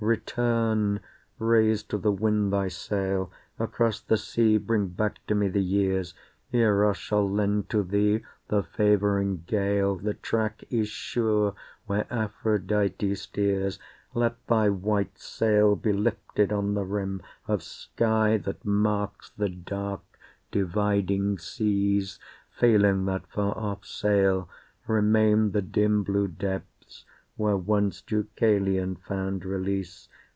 Return! Raise to the wind thy sail, Across the sea bring back to me the years, Eros shall lend to thee the favouring gale, The track is sure where Aphrodite steers. Let thy white sail be lifted on the rim Of sky that marks the dark dividing seas. Failing that far off sail, remain the dim Blue depths where once Deucalion found release.